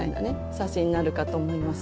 写真になるかと思います。